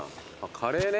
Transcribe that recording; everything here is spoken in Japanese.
カレーね。